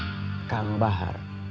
bisnis yang dijalankan kang bahar